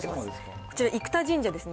こちら、生田神社ですね。